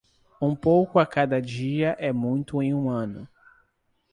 Um pouco a cada dia é muito em um ano.